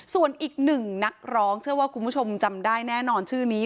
ส่วนอีกหนึ่งนักร้องเชื่อว่าคุณผู้ชมจำได้แน่นอนชื่อนี้